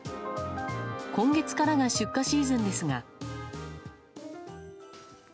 今月からが出荷シーズンですが。